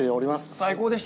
最高でした！